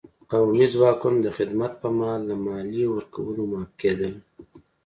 قومي ځواکونه د خدمت په مهال له مالیې ورکولو معاف کېدل.